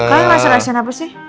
kalian rasa rasian apa sih